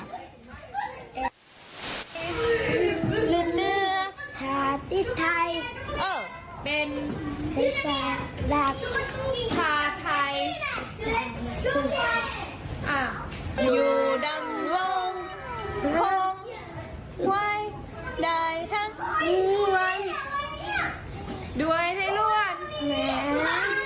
นี่รักจ้ะแต่ชื่อโลภมัย